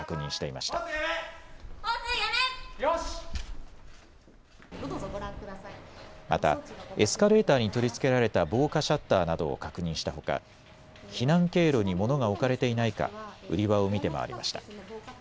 またエスカレーターに取り付けられた防火シャッターなどを確認したほか、避難経路に物が置かれていないか売り場を見て回りました。